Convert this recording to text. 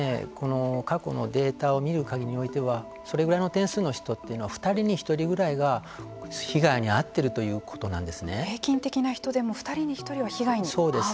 過去のデータを見る限りにおいてはそれぐらいの点数の人というのは２人に１人ぐらいが被害に遭っている平均的な人でもそうです。